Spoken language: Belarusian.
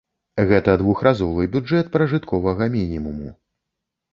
Гэта двухразовы бюджэт пражытковага мінімуму.